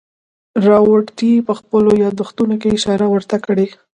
راورټي په خپلو یادښتونو کې اشاره ورته کړې.